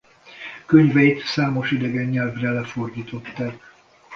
Könyveit számos idegen nyelvre lefordították.